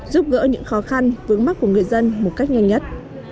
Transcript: giúp gỡ những khó khăn vướng mắt của người dân một cách nhanh nhất